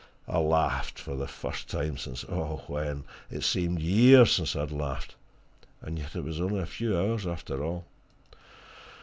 I laughed for the first time since when? It seemed years since I had laughed and yet it was only a few hours, after all.